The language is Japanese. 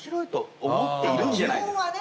基本はね。